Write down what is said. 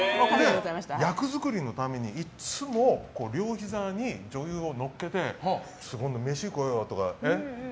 役作りのためにいつも両ひざに女優を乗っけて飯行こうよ！とか